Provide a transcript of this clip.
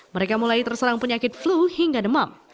mereka mulai terserang penyakit flu hingga demam